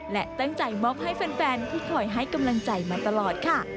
และตั้งใจมอบให้แฟนที่คอยให้กำลังใจมาตลอดค่ะ